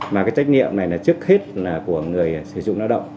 mà cái trách nhiệm này là trước hết là của người sử dụng lao động